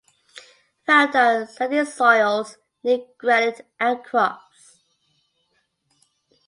Found on sandy soils near granite outcrops.